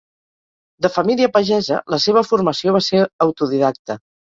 De família pagesa, la seva formació va ser autodidacta.